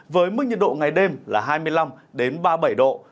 với mức nhiệt độ ngày đêm là hai mươi năm ba mươi bảy độ